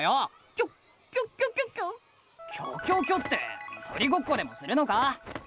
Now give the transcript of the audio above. キョキョキョって鳥ごっこでもするのか？